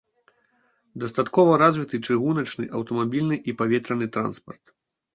Дастаткова развіты чыгуначны, аўтамабільны і паветраны транспарт.